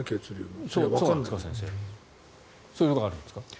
そういうことがあるんですか？